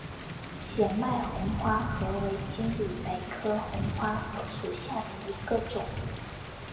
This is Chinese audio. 显脉红花荷为金缕梅科红花荷属下的一个种。